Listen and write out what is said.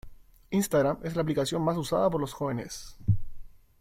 Instagram es la aplicación más usada por los jóvenes.